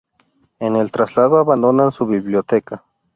En el traslado abandona su biblioteca.